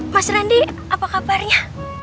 mas randy apa kabarnya